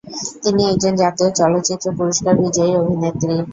তিনি একজন জাতীয় চলচ্চিত্র পুরস্কার বিজয়ী অভিনেত্রী।